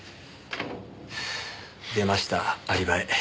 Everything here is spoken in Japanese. はぁ出ましたアリバイ。